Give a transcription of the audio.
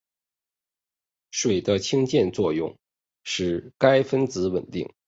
水的氢键作用使该分子稳定。